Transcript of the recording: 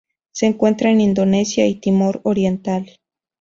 Se encuentra en Indonesia y Timor Oriental.